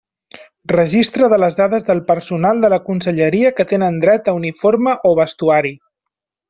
Registre de les dades del personal de la conselleria que tenen dret a uniforme o vestuari.